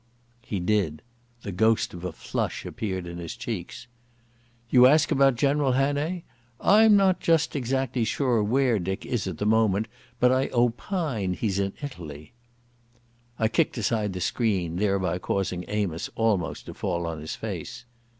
He did. The ghost of a flush appeared in his cheeks. "You ask about General Hannay? I'm not just exactly sure where Dick is at the moment, but I opine he's in Italy." I kicked aside the screen, thereby causing Amos almost to fall on his face.